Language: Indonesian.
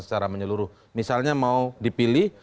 secara menyeluruh misalnya mau dipilih